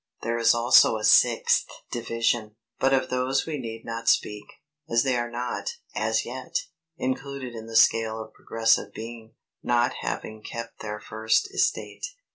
There is also a sixth division, but of those we need not speak, as they are not, as yet, included in the scale of progressive being, not having kept their first estate.